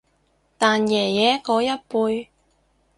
但爺爺嗰一輩